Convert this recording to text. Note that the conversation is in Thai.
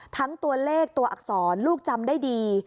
ตัวเลขตัวอักษรลูกจำได้ดี